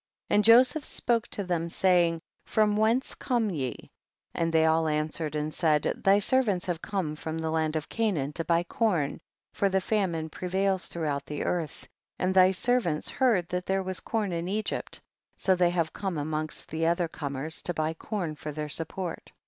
21. And Joseph spoke to them, saying, from whence come ye ? and they all answered and said, thy ser vants have come from the land of Canaan to buy corn, for the famine prevails throughout the earth, and thy servants heard that there was corn in Egypt, so they have come amongst the other comers to buy corn for their support.